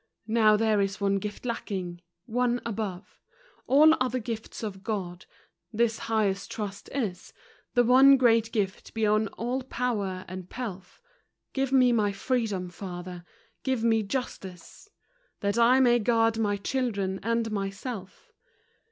Now there is one gift lacking one above All other gifts of God, this highest trust is, The one great gift, beyond all power and pelf Give me my freedom, father; give me justice, That I may guard my children and myself.